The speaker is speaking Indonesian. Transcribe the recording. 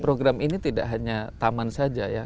program ini tidak hanya taman saja ya